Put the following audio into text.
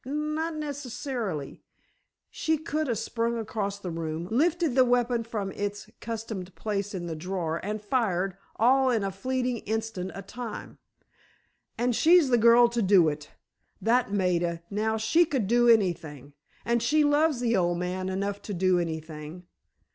"Not nec'ess'rily. She coulda sprung across the room, lifted the weapon from its customed place in the drawer, and fired, all in a fleetin' instant o' time. And she's the girl to do it! That Maida, now, she could do anything! And she loves the old man enough to do anything.